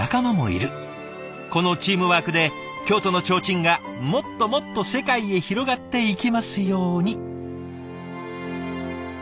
このチームワークで京都の提灯がもっともっと世界へ広がっていきますように。